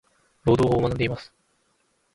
労働法を学んでいます。。